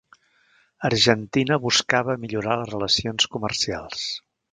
Argentina buscava millorar les relacions comercials.